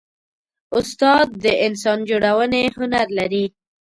استاد د انسان جوړونې هنر لري.